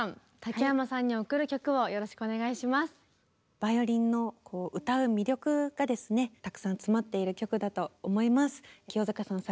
バイオリンの歌う魅力がですねたくさん詰まっている曲だと思います。